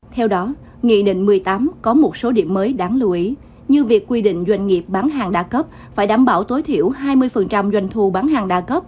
theo đó nghị định một mươi tám có một số điểm mới đáng lưu ý như việc quy định doanh nghiệp bán hàng đa cấp phải đảm bảo tối thiểu hai mươi doanh thu bán hàng đa cấp